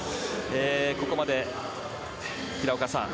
ここまで平岡さん